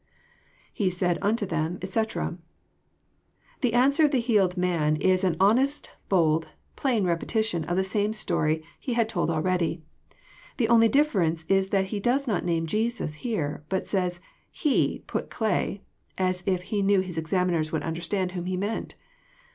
[jETe said unto them, etc."} The answer of the healed man is an honest, bold, plain repetition of the same story he had told al ready. The only difference is that he does not name Jesus " here, but says He " put clay, as if he knew his examiners would understand whom he meant.